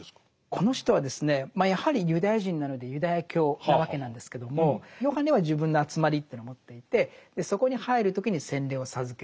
この人はですねやはりユダヤ人なのでユダヤ教なわけなんですけどもヨハネは自分の集まりというのを持っていてそこに入る時に洗礼を授ける。